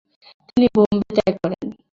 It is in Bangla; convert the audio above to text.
তিনি বোম্বে ত্যাগ করেন।